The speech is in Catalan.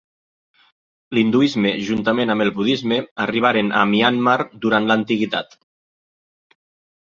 L'hinduisme juntament amb el budisme, arribaren a Myanmar durant l'antiguitat.